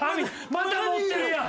また持ってるやん！